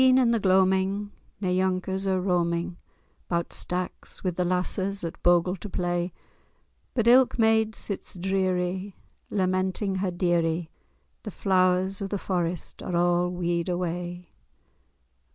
At e'en, in the gloaming, nae younkers are roaming 'Bout stacks with the lasses at bogle to play; But ilk maid sits dreary, lamenting her deary— The Flowers of the Forest are a' wede away.